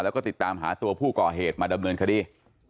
แล้วก็ติดตามหาตัวผู้ก่อเหตุมาดำเนินคดี